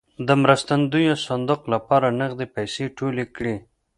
د مرستندویه صندوق لپاره نغدې پیسې ټولې کړې.